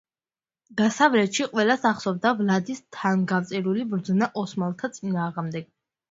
დასავლეთში ყველას ახსოვდა ვლადის თავგანწირული ბრძოლა ოსმალთა წინააღმდეგ.